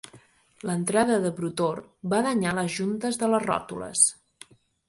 L'entrada de brutor va danyar les juntes de les ròtules.